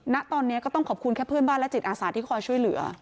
ณตอนนี้ก็ต้องขอบคุณแค่เพื่อนบ้านและจิตอาสาที่คอยช่วยเหลือ